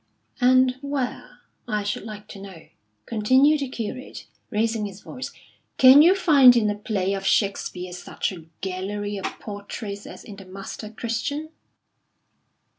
"And where, I should like to know," continued the curate, raising his voice, "can you find in a play of Shakespeare's such a gallery of portraits as in the 'Master Christian'?"